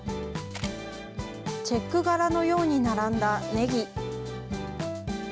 チェック柄のように並んだネギ。